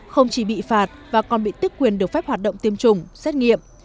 không chỉ bị phạt và còn bị tức quyền được phép hoạt động tiêm chủng xét nghiệm